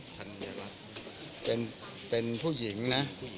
เป็นผู้หญิงนะ